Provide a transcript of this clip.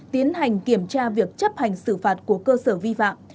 tiến hành kiểm tra việc chấp hành xử phạt của cơ sở vi phạm